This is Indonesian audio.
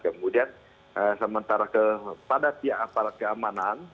kemudian sementara kepada pihak aparat keamanan